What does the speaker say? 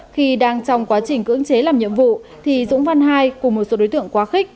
khi đang trong quá trình cưỡng chế làm nhiệm vụ thì dũng văn hai cùng một số đối tượng quá khích